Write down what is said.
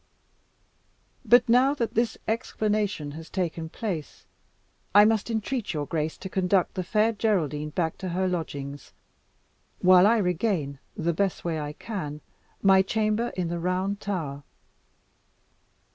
But now that this explanation has taken place, I must entreat your grace to conduct the Fair Geraldine back to her lodgings, while I regain, the best way I can, my chamber in the Round Tower."